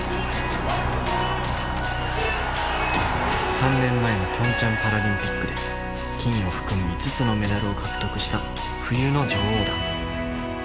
３年前のピョンチャンパラリンピックで金を含む５つのメダルを獲得した冬の女王だ。